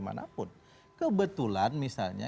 mana pun kebetulan misalnya